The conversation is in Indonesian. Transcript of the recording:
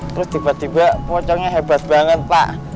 terus tiba tiba pocongnya hebat banget pak